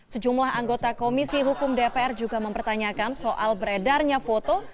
sejumlah anggota komisi hukum dpr juga mempertanyakan soal beredarnya foto